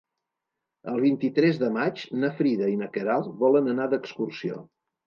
El vint-i-tres de maig na Frida i na Queralt volen anar d'excursió.